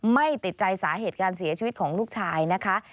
ไม่ติดใจสาเหตุการเสียชีวิตของลูกชายนะคะ